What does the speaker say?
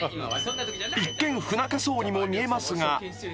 ［一見不仲そうにも見えますが］